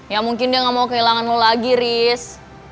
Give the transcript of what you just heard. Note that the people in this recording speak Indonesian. ya mungkin dia ga mau kehilangan lo lagi riz